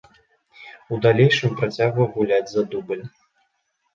У далейшым працягваў гуляць за дубль.